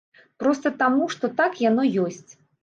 Проста таму, што так яно ёсць.